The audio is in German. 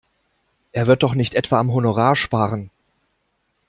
Er wird doch nicht etwa am Honorar sparen!